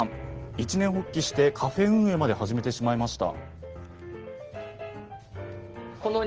一念発起して、カフェ運営まで始めてしまいました。